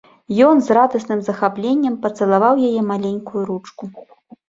Ён з радасным захапленнем пацалаваў яе маленькую ручку.